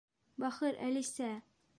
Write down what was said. Бахыр Әлисә!